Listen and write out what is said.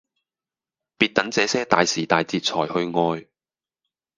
別等這些大時大節才去愛